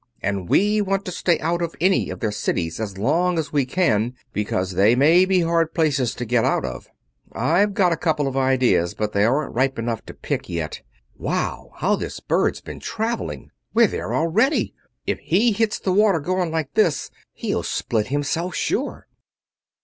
And we want to stay out of any of their cities as long as we can, because they may be hard places to get out of. I've got a couple of ideas, but they aren't ripe enough to pick yet.... Wow! How this bird's been traveling! We're there already! If he hits the water going like this, he'll split himself, sure!"